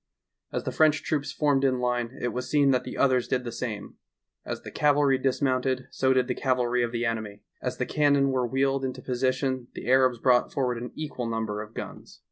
As the French troops formed in line it was seen that the others did the same ; as the cavalry dis mounted so did the cavalry of the enemy ; as the cannon were wheeled into position the Arabs brought forward an equal number of guns.